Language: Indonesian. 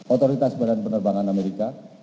otoritas badan penerbangan amerika